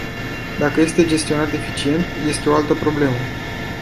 Dacă este gestionat eficient, este o altă problemă.